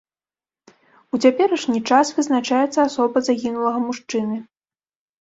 У цяперашні час вызначаецца асоба загінулага мужчыны.